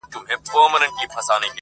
• ستا وه ديدن ته هواداره يمه.